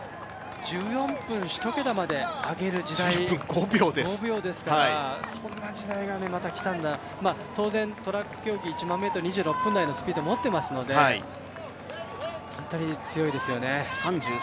１４分、１桁まで上げる時代１１分５秒ですから、そんな時代がきたのかと当然、トラック競技１００００ｍ記録を持ってますから本当に強いですね。